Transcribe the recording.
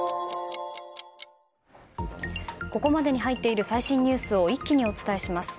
ここまでに入っている最新ニュースを一気にお伝えします。